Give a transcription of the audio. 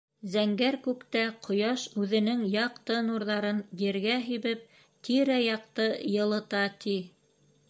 Зәңгәр күктә ҡояш, үҙенең яҡты нурҙарын ергә һибеп, тирә-яҡты йылыта, ти.